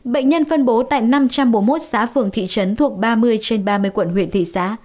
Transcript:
bệnh nhân phân bố tại năm trăm bốn mươi một xã phường thị trấn thuộc ba mươi trên ba mươi quận huyện thị xã